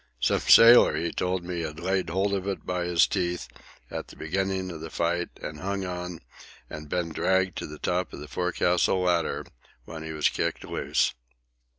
Some sailor, he told me, had laid hold of it by his teeth, at the beginning of the fight, and hung on and been dragged to the top of the forecastle ladder, when he was kicked loose.